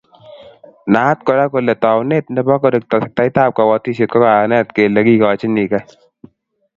Naat Kora kole taunet neo nebo korekto sektaib kobotisiet ko kayanet kele kigochinikei